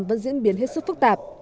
vẫn diễn biến hết sức phức tạp